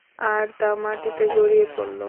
আর তা মাটিতে গড়িয়ে পড়ল।